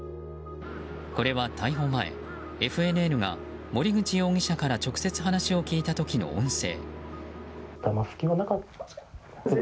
これは逮捕前、ＦＮＮが森口容疑者から直接話を聞いた時の音声。